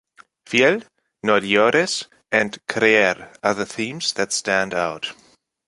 “Fiel”, “No llores” and “Creer” are the themes that stand out.